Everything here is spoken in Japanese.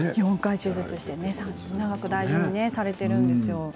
４回手術して長く大事にされているんですよ。